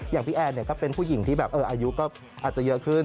อย่างพี่แอนก็เป็นผู้หญิงที่แบบอายุก็อาจจะเยอะขึ้น